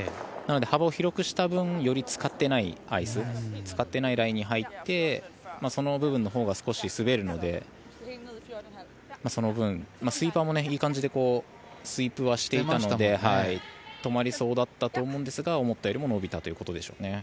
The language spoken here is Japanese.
なので幅を広くした分より使っていないアイス使ってないラインに入ってその部分のほうが少し滑るのでその分、スイーパーもいい感じでスイープはしていたので止まりそうだったと思うんですが思ったよりも伸びたと。